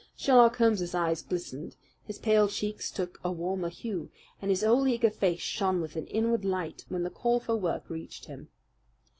Sherlock Holmes's eyes glistened, his pale cheeks took a warmer hue, and his whole eager face shone with an inward light when the call for work reached him.